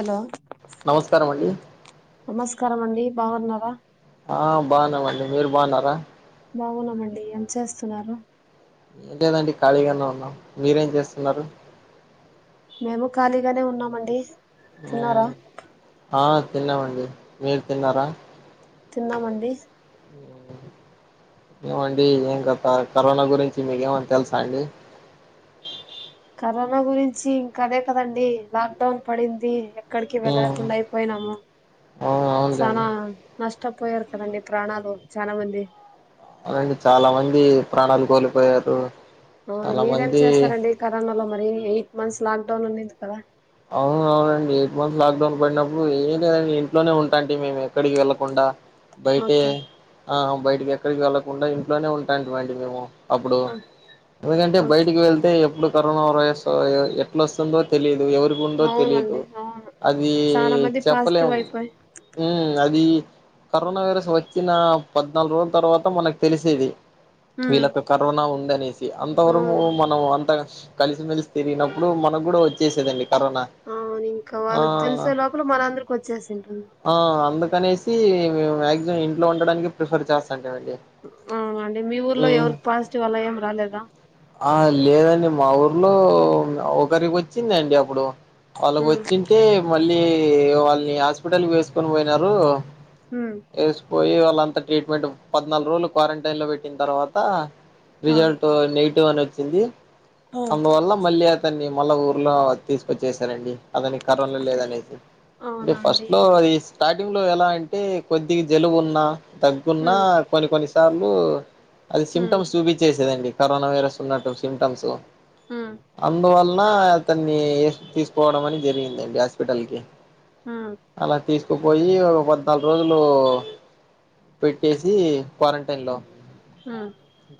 Hello నమస్కారం అండి నమస్కారం అండి బాగున్నారా ఆ బాగున్నామండి మీరు బాగున్నారా బాగున్నామండి ఎం చేస్తున్నారు ఏంలేదండి ఖాళీగానే ఉన్నాం మీరేం చేస్తున్నారు మేము ఖాళీగానే ఉన్నామండి మ్మ్ తిన్నారా ఆ తిన్నామండి మీరు తిన్నారా తిందామండి ఏమండి ఏం గత కరోనా గురించి మీకేమన్నా తెలుసా అండి కరోనా గురించి ఇంకా అదే కదండి లాక్ డౌన్ పడింది ఎక్కడికి మ్మ్ వెళ్లలేకుండ అయిపోయి నాము ఆ చనా అవునులేండి నష్ట ష్ట పోయారు కదండి ప్రాణాలు చాలా మంది అదండీ చాలా మంది ప్రాణాలు కోల్పోయారు అవును చాలా మీరేం మంది చేస్తారండి కరోనాలో మరి ఎయిట్ మంత్స్ లాక్ డౌన్ ఉడిమ్ది కదా అవున అవునండి ఎయిట్ మంత్స్ లాక్డౌన్ పడినప్పుడు ఏం లేదండి ఇంట్లోనే ఉంటాంటి మేము ఎక్కడికి వెళ్కుండా బయటే ఓకే ఆ బయటికి ఎక్కడికి వెళ్ళకుండా ఇంట్లోనే ఉంటాటి మండి మేము అప్పుడు ఆ, ఎందుకంటే ఓకే బయటికి వెళ్తే ఎప్పుడు కరోనా వైరస్ ఎట్లొస్తుందో తెలిదు ఎవరు ఉందో తెలిదు అవునండి అవును అది చాలా మంది పాజిటివ్ చెప్పలేము అయిపోయి ఉమ్ అది. కరోనా వైరస్ వచ్చిన పద్నాలుగు రోజుల తర్వాత మనకు తెలిసేది. ఉమ్, వీళ్ళకి కరోనా ఉండె ది అంతవరకు అవును మనం అంట కలిసిమెలిసి తిరిగినప్పుడు మనకు గూడా వచ్చేసేదండి. కరోనా ఆ అవును ఇంక ఆ వాళ్ళకి తెలిసే లోపల మన అందరికొచ్చేసి ఉంటుంది. అనేసి మేము మాక్సిమం ఇంట్లో ఉండడానికి ప్రిఫర్ చేస్తాం. ఉమ్ అండి మీ ఊర్లో ఉమ్ ఎవరి పాజిటివ్ అలా ఏం రాలేదా. ఆ లేదండి మా ఊర్లో ఒకరికి వచ్చిందండి అప్ ప్పుడు. ఉమ్, వాళ్ళకొచ్చింటే మ. మళ్ళీ వాళ్ళని హాస్పిటల్ వేసు. వేసుకొని పోయినారు ఉమ్, ఏస్ పోయి వాళ్ళంతా ట్రీట్మెంట్ పద్నాలుగు రోజులు క్వారంటైన్ లో పెట్టిన తర్వాత. ఆ రిజల్టు నగ్ టివ్ అనొచ్చింది. ఓ అందు వల్ల మళ్లీ అతన్ని మళ్ళా ఊర్లో. తీసుకొచ్చేసారండి. అతనికి కరోనా లేదనేసి అంటే ఫస్ట్ అవునండి లో అది స్టార్ట్. లో ఎలా అంటే కొద్దిగా జలుబు ఉన్న. తగ్గున్నా ఉమ్ కొన్ని కొన్ని సార్లు అది ఉమ్ సిమ్టమ్స్ చూపించేసేదండి. కరోనా వైరస్ ఉన్నట్టు సిమ్టమ్సు ఉమ్ అందు వళ్ మ అతన్ని ఈ తీసుపోవడం అని జరిగిందండి హాస్పిటల్ కి ఉమ్ అలా తీస్ కొపోయి ఒక పద్నాలుగు రోజులు పెట్టేసి క్వారంటైన్ లో ఉమ్ ఉమ్.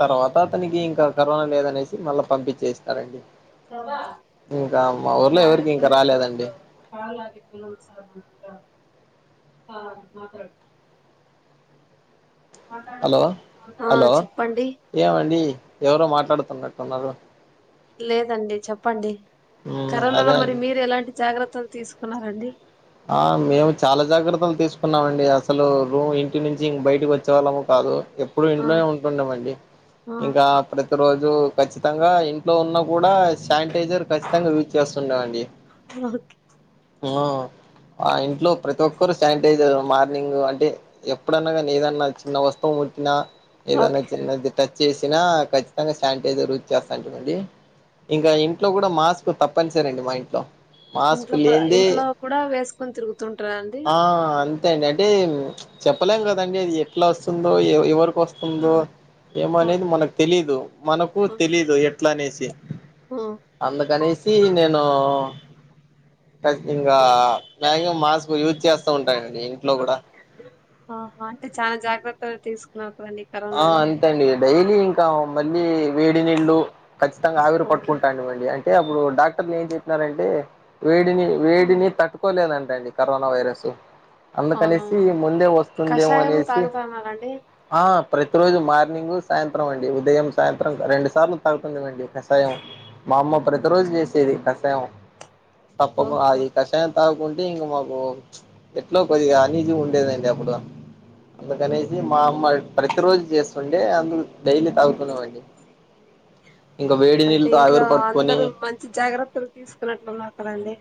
తర్వాత అతనికి ఇంక కరోనా లేదనేసి మళ్ళా పంపించేస్నారండి ఆ మ కాల్ మస ఆ మాటాడు హలో ఆ హలో చెప్పండి ఏవండీ ఎవరో మాట్లాడుతున్నట్టు తున్నారు లేదండి చెప్పండి మ్ అదే కరోనాలో మరి అండి మీరు ఎలాంటి జాగ్రత్తలు తీసుకున్నరు రండి ఆ మేము చాలా జాగ్రత్తలు తీసుకున్నామండి అసలు రూమ్ ఇంటి నుంచి ఇం బయటకి వచ్చేవాళ్ళం కాదు ఎప్పుడు ఆ ఇంట్లోనే ఉంటుండమండి ఆ ఇంకా ప్రతిరోజు జు ఖచ్చితంగా ఇంట్లో ఉన్న కూడ శానిటైజర్ ఖచ్చితంగా యూజ్ చేస్తున్నాయండి ప్రవతి ఆ ఇంట్లో ప్రతి ఒక్కరు శానిటైజర్ మార్నింగ్ అంటే ఎప్పుడన్న గానీ ఏదన్న చిన్న వస్తువు ముట్టినా ఏదన్నా ఓకే చిన్నది టచ్ చేసినా ఖచ్చితంగా శానిటైజర్ యూస్ చేస్తాంటిమండి ఇంకా ఇంట్లో కూడా మాస్క్ తప్పనిసరండి మా ఇంట్లో మాస్క్ ఇంట్లోకూడ లేనిదే ఇంట్లో కూడా వేస్ కొని తిరుగుతుంటరా అండి ఆ అంతే అండి అంటే చెప్పలేం కదండి అది ఎట్లా వస్తుందో ఎవ్ ఎవరు వస్తుందో ఉమ్ ఏమనేది ఓకే మనకు తెలీదు మనకు ఓకే తెలీదు ఎట్ల అనేసి ఉమ్ అందుకనేసి నేను టక్ ఇంగా మ్యాక్సిమం మాస్కు యూస్ చేస్ ఆ అంటే చానా జాగ్రత్త తీసుకునట్ ఆ అంతేండి డైలీ ఇంకా మ నీ వేడి నీళ్ళు ఖచ్చితంగ ఆవిరు ఓకే. పటుకుట్టాండి మండి టే అప్పుడు డాక్టర్లు ఏం చెప్పినారంటే వేడిని హ్మ్. వేడిని తట్టుకోలేదం దాన్ని కరోనా వైరసు అందుకనేసి అవునవును. ముందే వస్తుందేమో కషాయము అనేసి తాగుతన్నారండి? ఆ ప్రతిరోజు మార్నింగ్ సాయంత్రం అండి ఉదయం సాయంత్రం రెండు సార్లు తాగుతున్నానండి కషాయం మా అమ్మ ప్రతి రోజు చేసేది క త్యాము తప్పకు ఓకే. అది కషాయం తా కుంటే ఇంకా మాకు ఎట్లో కొద్దిగా అన్ ఈజీ గా ఉండేదండి అప్పుడు అందుకనేసి మా అమ్మ ప్రతి రోజు చేస్తుండే అం డైలీ తాగుతునేవాణ్ణి అంటే ఇంట్లో అందరు మంచి జాగ్రత్తలు తీసుకున్నట్లు ఉన్నారు కదండి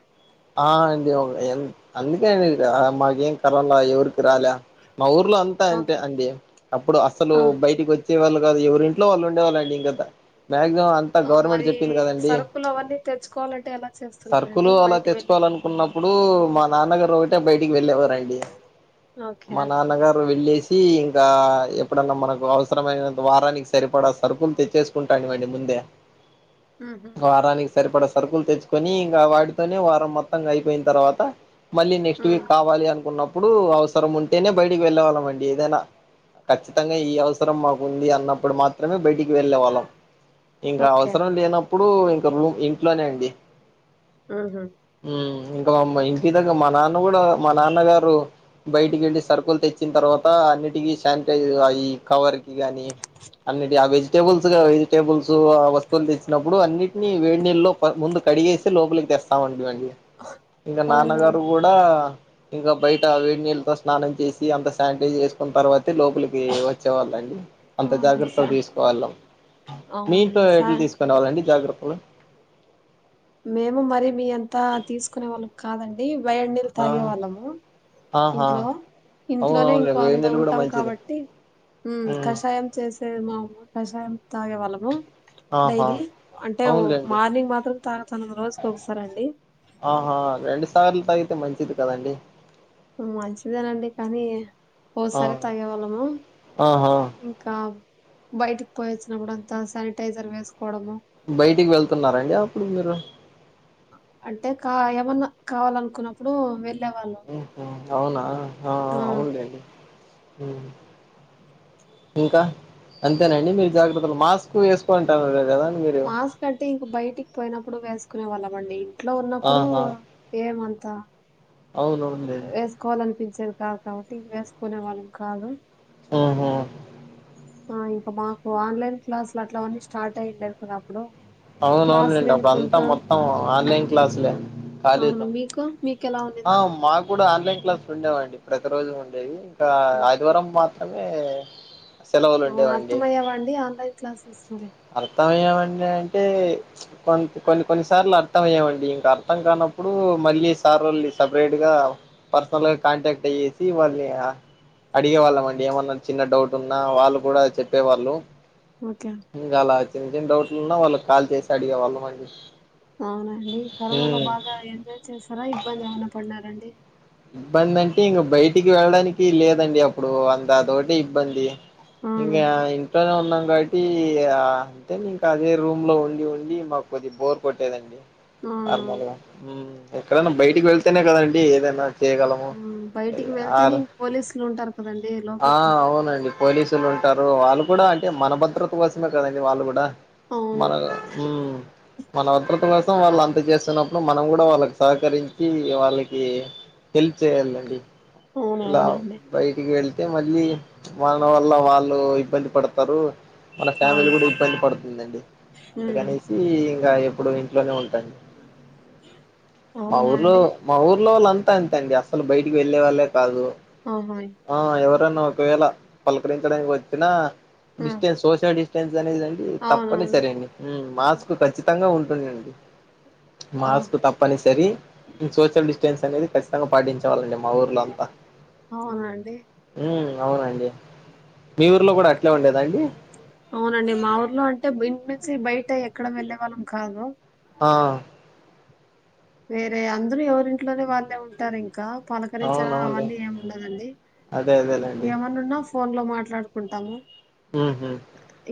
ఆ అండి [inaudible] అందుకేండి ఈడ మాకేం కరోనా ఎవరి పురాలా మా ఊర్లో అంతా అంతే ఓకే. అండి అప్పుడు అసలు ఆ! బయటికి వ చే వాళ్ళు కాదు ఎవరి ఇంట్ వాళ్ళు ఉండేళ్ళండి ఇంకద ఆ మరి సరుకులు అవన్నీ తెచ్చుకోవాలంటే ఎలా చేస్తుంటారండి బయట వెళ్ళ చెప్పాలనుకున్నప్పు మా నాన్నగారు ఒకటే బయటికి వెళ్ళేవారండి ఓకే. మా నాన్నగారు వెళ్ళేసి వి ఇంకా ఎప్పుడన్నా మనకు అవసరమైనంత వారానికి సరిపడా సరుకులు తెచ్చేసుకుంటానువ్వండి ముందే మ్ సరిపడ సరుకుల్ తెచ్చుకొని ఇంకా వాటితోనే వారం మొ మొంగా అయిపోయిన తర్వాత మళ్ళీ నెక్స్ట్ వీక్ హ్మ్. కావాలి అనుకున్న ప్పుడు అవసరం ఉంటేనే బయటికి వెళ్ళవాళ్ళం అండి ఏదైనా, ఖచ్చితంగా ఈ అవసరం మాకుంది అన్నప్పుడు మాత్రమే బయటి వెళ్ళే వాళ్ళం ఇంకా ఓకే. అవసరం లేనప్పుడు ఇప్పుడు ఇంక ఇంట్లోనే అండి ఆహా మ్ ఇంకా మామ్ ఇంటి దగ్గర మా నాన్న కూడా మా నాన్నగారు, బయటికి వెళ్ళి సర్కుల్ తెచ్చిన తర్వాత అన్నిటికిీ శానిటైజర్ అయి కవర్ గాని అన్నిటి ఆ వెజిటేబుల్స్ గా వెజిటబుల్స్ ఆ వస్తువులు తెచ్చినప్పుడు అన్నిటిని వేడి నీళ్ల్లో ముందు కడిగేసి లోపలికి తెస్తా అ వండి వండి ఇంకా అవును. నాన్నగారు కూడా ఇంకా బయట వేడి నీళ్ళతో స్నానం చేసి, అంత శానిటైజ్ చేసుకున్న తర్వాతే లోపలికి వచ్చేవాళ్ళండి అంత అవును స జాగ్రత్తలు తీసుకోవాళ్ళం, మీ ఇంట్లో అవునండి. స ఎట్ల తీసుకుని వాళ్ళండి జాగ్రత్ అ మేము మరి మీ అంతా తీసుకునే వాళ్ళం కాదండి వయ నీళ్ళు ఆ తాగే వాళ్ళము ఆహా ఇంట్లో, అవును ఇంట్లోనే అవునులే ఇంకా వేడి అంద నీళ్ళు కూడా ఉంటాము మంచిది కాబట్టి హ్మ్ కషాయం చేసేది మా అమ్మ కషాయం తాగే వాళ్ళము ఆహా డైలీ అంటే అవునులేండి మార్నింగ్ మాత్రం త ఆహా రెండుసార్లు టైప్ తే మంచిది కదండి హ్మ్ మంచిదేనండి. కానీ ఆ ఓసారే తాగేవాళ్ళము ఆహా ఇంకా బయటికి పోయి వచ్చినప్పుడు అంత శానిటైజర్ వేసుకోవడము బయటికి వెళ్తున్నారండి అప్పుడు మీరు అంటే కా ఏమన్నా కావాలనుకున్నప్పుడు వెళ్ళ్ హ్మ్ మ్మ్ అవునా ఆ అవునులేండి హ్మ్ ఇంకా అంతేనండి మీరు జాగ్రత్తలు మాస్క్ వేసుకోంటారు. గదా మాస్క్ అంటే ఇంక బయటికి పోయినప్పుడు వేసు వేసుకునేవాళ్ళం అండి. ఇంట్లో ఉన్నప్పుడు ఏమంతా అవునవును లేండి. మంచిది కాదు కాబట్టి వేసుకునే వాళ్ళం కాదు. ఆహా ఆ ఇంకా మాకు ఆన్లైన్ క్లాసులు అట్లావన్నీ స్టార్ట్ అయ్యోడేదికదా అప్పుడు అవునవును క్లాసులు లేండి. అప్పుడు అంతా ఇనుకుంటూ మొత్తం ఆన్లైన్ క్లాసులే అవును కాలీలేం మీకు మీకు ఎలా ఆ ఉన్నిందండి మాకు కూడా ఆన్లైన్ ఆన్లైన్ క్లాసులు ఉండేవండి. ప్రతిరోజు ఉండేవి. ఆ అవును ఆదివారం మాత్రం ఏ సెలవులు అవును ఉండేవండి. అర్థమయ్యావండి ఆన్లైన్ క్లాసెస్ మరి అర్థమయ్యావండే అంటే కొ కొన్ని కొన్నిసార్లు అర్థమయ్యేవండి. ఇంకా అర్థం కానప్పుడు మళ్ళీ సారోళ్ళు సపరేట్ గా పర్సనల్ గా కాంటాక్ట్ అయ్యేసి వాళ్ళని అడిగే వాళ్ళమండి. ఏమన్నా చిన్న డౌట్ ఉన్నా వాళ్ళు కూడా చెప్పేవాళ్ళు ఓకే ఇంగా అలా చిన్ చిన్న డౌట్లు ఉన్నా వాళ్ళక్ ఇంగా చేసి అడిగే వాళ్ళం మండి. అవునండి. కరోనాలో బాగా ఎంజాయ్ చేసారా ఇబ్బంది. ఏమనా పడినారండి ఇబ్బంది అంటే ఇంక బయటికి వెళ్ళడానికి లేదండి. అప్పుడు అంతా అదొగటే ఇబ్బంది అవును ఇంగా ఇంట్లోనే ఉన్నాం కాబట్టి ఆ అ ఇంకా అదే రూమ్ లో ఉండి ఉండి మాకు కొద్దిగా బోర్ కొట్టేదండి. నార్మల్ అవునవును గా ఎక్కడైనా బయటకి వెళ్తే కదండి. ఏదైనా చేయగలము బయటికి వెళ్తేనే ఆరు ఇంక పోలీసులు ఉంటారు. కదండి. లోపలికి లు ఉంటారు. వాళ్ళు కూడా అంటే మన భద్రత కోసమే కదండి. వాళ్ళు కూడా అవును మన ఉ మన భద్రత కోసం వాళ్ళు అంత చేస్తునప్పుడు మనం కూడా వాళ్ళకు సహకరించి వాళ్ళకి హెల్ప్ చేయ్యాలండి. ఇలా అవునవునండి బయటికి వెల్ అయితే మళ్ళీ, వాళ్ళ వల్ల వాళ్ళు ఇబ్బంది. పడతరు. మన ఫ్యామిలీ అవును కూడా ఇబ్బంది, పడుతుందండి ఉమ్ అందుకనేసి ఇంకా ఎప్పుడు ఇంట్లోనే ఉం మా అవునా ఊర్లో, అండి మా ఊర్లో వాళ్ అంత అంతేనండి, అస్సలు బయటి వెళ్ళేవాలే కాదు, ఆహా ఆహ్ ఎవరు ఒకవేళ పలకరించడానికి వచ్చినా హ్మ్ డిస్టెన్స్, సోషల్ డిస్టెన్స్ అనేదండి, అవునవును తప్పనిసరి అండి మాస్క్ ఖచ్చితంగా ఉం [inaudible] ఆ మాస్క్ తప్పన్సరి, అండ్ సోషల్ డిస్టెన్స్ ఇంకేమిసంగతి ఖచ్చితంగా పాటించేవాళ్లండి మా ఊర్లో అంతా, అవునండి హుమ్ అవునండి, మీ ఊరిలో కూడా అట్లే ఉండేదండి? అవునండి మా ఊర్లో ఇంటి నుంచి బయట అంటే, ఎక్కడ వెళ్ళేవాళ్ళం కాదు ఆహ్ వేరే అందరూ, ఎవరింట్లోనే వాళ్ళేఉంటారు ఇంకా పలకరించడం అవునవునులే అవన్నీ ఏమిండదండి, అదే అదేలేండి ఏమన్నా ఉన్నా ఫోన్ లో మాట్లాడటం మాట్లాడుకుంటాము ఉహ్ హూ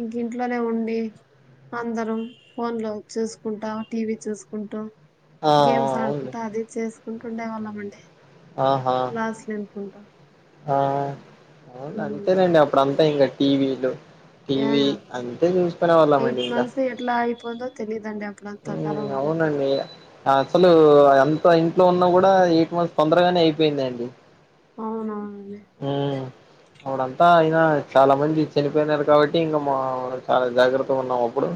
ఇంక ఇంట్లోనే ఉండి అందరం ఫోన్ లో చూసుకుంటా, టీవీ చూసుకుంటూ ఆ ఆ గేమ్స్ అవునులే ఆడుకుంటూ అది చేస్ ఉంటుండే వాళ్ళం ఆండీ ఆహా క్లాసులు ఇనుకుంట ఆ అవును అంతేనండి, అప్పుడు అంతే మొత్తం ఇంకా టీవీ లు యా టీవీ అంతే చూసుకునే వాళ్ల మండి ఎయిట్ ఇంకా, మంత్స్ ఎట్లా అయిపోయిందో తెలీదండి అప్పుడంతా ఉమ్ కరోనాలో అవునండి అసలు అదం సో ఇంట్లో ఉన్న కూడా ఎయిట్ మంత్స్ తొందరగానే అయిపోయిందండి అవునవును ఉమ్ అప్పుడంతా ఇలా చాలా మంది చనిపోయినారు కాబట్టి, ఇంకా మా చాలా జాగ్రత్తగా ఉన్నాం అప్పుడు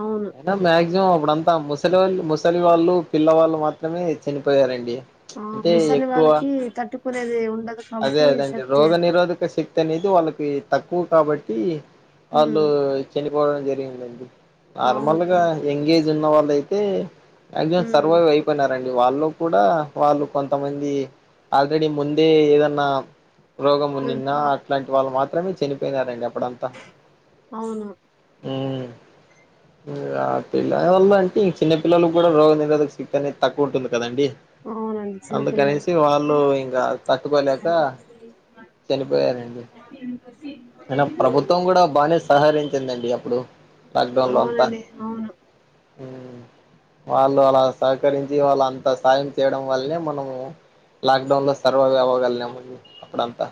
అవును ఐన మాక్సిమం ఇప్పుడంతా ముసలి ముసలి వాళ్ళు పిల్లవాళ్ళు మాత్రమే చనిపోయారండి ఆ అంటే ముసలి ఎక్కువ వాళ్ళకి తట్టుకునేది ఉండదు అదే కాబట్టి అదండి శక్తి రోగ నిరోధక శక్తి అనేది వాళ్ళకి తక్కువ కాబట్టి వాళ్లు ఉమ్ చని పోవడం జరిగిందండి నార్మల్గా అవునండి ఎంగేజ్ చిన్న వాళ్ళయితే ఎజం సర్వ ఉమ్ అయిపోయినారంండి వాళ్ళు కూడా వాళ్ళు కొంతమంది ఆల్రెడీ ముందే ఏదనా అన్నా రోగము ఉమ్ నిన్న అట్లాంటి వాళ్ళు మాత్రమే చనిపోయినారండి. అప్పుడంత అవును ఊ పిల్లల వల్ల అంటే ఇ చిన్న పిల్లలకుకి కూడా రోగ నిరోధక శక్తి అనేది తక్కువ ఉంటుంది కదండి. అవునండి చిన్నపిల్లలు అందుకనేసి వాళ్ళు ఇంకా తట్టుకోలేక ఇ చనిపోయారండి అయినా ప్రభుత్వం కూడా బాగానే సహరించ వందండి అప్పుడు లాక్డౌన్ లో అంతా అవునండి అవును వాళ్ళు అలా సహకరించి వాళ్లంతా సాయం చేయడం వల్లనే మనము లాక్డౌన్ లో సర్వాగా అవ్వగలిగాము అప్పుడంతా.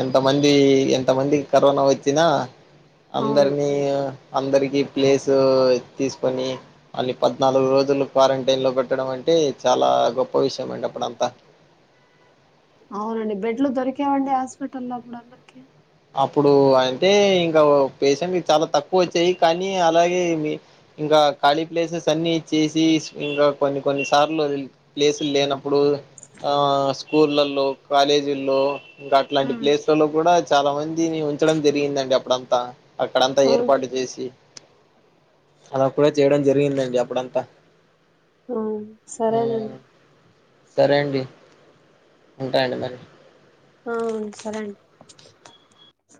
ఎంత మంది ఎంత కొంతమందికి కరోనా వచ్చినా అవును అందరినీ అందరికీ ప్లేసు తీసుకొని మళ్ళీ పద్నాలుగు రోజులు క్వారంటైన్లో పెట్టడం. అంటే చాలా గొప్ప పోవి సెమెట్ప్పుడు అంత అవునండి బెడ్లు దొరికావండి హాస్పిటల్ లో అప్పుడు అందరికి. అప్పుడు అయింటే ఇంకా పేసెంట్ చాలా తక్కువ వచ్చాయి కానీ అలాగే మీ ఇంకా ఖాళీ ప్లేసెస్ అన్ని చేసి ఇంకా కొన్ని కొన్ని సార్లు ప్లేసులు లేనప్పుడు ఆ స్కూళ్ళలో కాలేజీల్లో. ఇంకా అట్లాంటి ఉమ్ ప్లేస్లలో కూడా చాలా మందిని ఉంచడం జరిగిందండి అప్పుడంతా. అక్కడంతా ఉమ్ ఏర్పాటు చేసి అలా కూడా చేయడం జరిగిందండి అప్పుడంతా. ఆ సరేనండి సరే అండి ఉంటాండి మరి అ అవును సరే అండి